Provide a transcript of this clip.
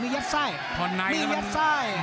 มีเย็ดไส้มีเย็ดไส้